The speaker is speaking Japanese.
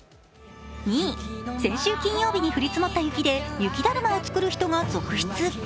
先週金曜日に降り積もった雪で雪だるまを作る人が続出。